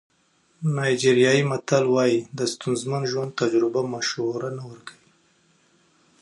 نایجیریایي متل وایي د ستونزمن ژوند تجربه مشوره نه ورکوي.